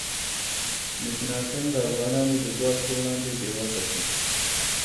مکناتن د افغانانو د ځواک په وړاندې بې وسه شو.